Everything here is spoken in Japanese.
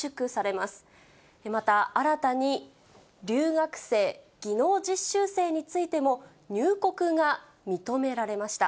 また新たに留学生、技能実習生についても、入国が認められました。